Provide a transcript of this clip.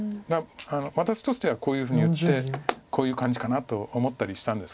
私としてはこういうふうに打ってこういう感じかなと思ったりしたんですけど。